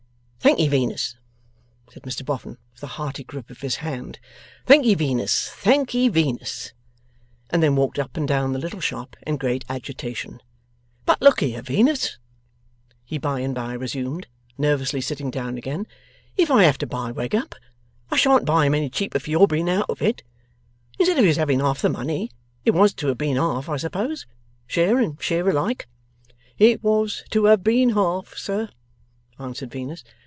'Thank'ee, Venus!' said Mr Boffin, with a hearty grip of his hand; 'thank'ee, Venus, thank'ee, Venus!' And then walked up and down the little shop in great agitation. 'But look here, Venus,' he by and by resumed, nervously sitting down again; 'if I have to buy Wegg up, I shan't buy him any cheaper for your being out of it. Instead of his having half the money it was to have been half, I suppose? Share and share alike?' 'It was to have been half, sir,' answered Venus.